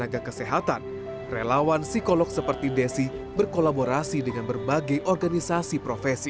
untuk mental pasien maupun tenaga kesehatan relawan psikolog seperti desi berkolaborasi dengan berbagai organisasi profesi